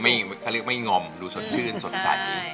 เขาเรียกไม่งอมดูสดชื่นสดใส